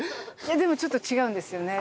でもちょっと違うんですよね。